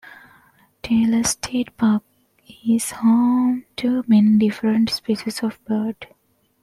Tyler State Park is home to many different species of birds.